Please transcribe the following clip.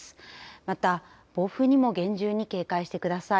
また、暴風にも厳重に警戒してください。